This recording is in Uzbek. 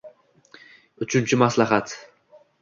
Uchinchi maslahat.